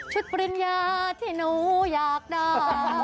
ปริญญาที่หนูอยากได้